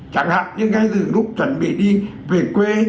chẳng hạn những ngay từ lúc chuẩn bị đi về quê